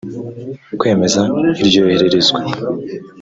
kwemeza iryo yoherezwa